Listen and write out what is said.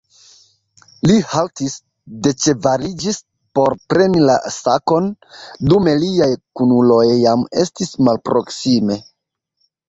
Li haltis, deĉevaliĝis por preni la sakon, dume liaj kunuloj jam estis malproksime.